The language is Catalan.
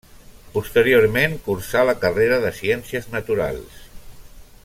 Posteriorment, cursà la carrera de Ciències Naturals.